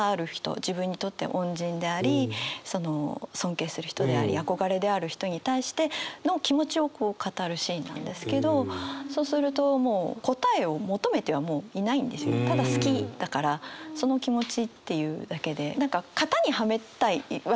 自分にとって恩人であり尊敬する人であり憧れである人に対しての気持ちをこう語るシーンなんですけどそうするともうただ好きだからその気持ちっていうだけで何か型にはめたいわけじゃない。